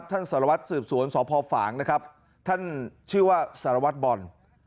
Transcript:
สารวัตรสืบสวนสพฝางนะครับท่านชื่อว่าสารวัตรบอล